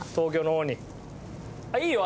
いいよ。